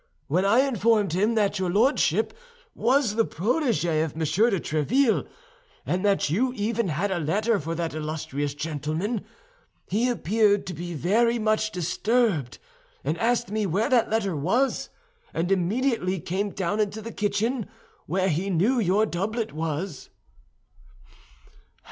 "When I informed him that your lordship was the protégé of Monsieur de Tréville, and that you even had a letter for that illustrious gentleman, he appeared to be very much disturbed, and asked me where that letter was, and immediately came down into the kitchen, where he knew your doublet was."